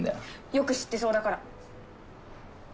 よく知ってそうだから。